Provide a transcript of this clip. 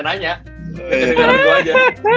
tidak kedengeran gue aja